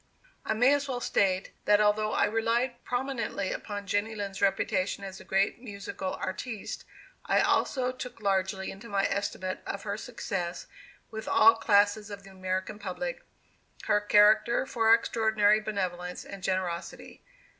I may as well state, that although I relied prominently upon Jenny Lind's reputation as a great musical artiste, I also took largely into my estimate of her success with all classes of the American public, her character for extraordinary benevolence and generosity.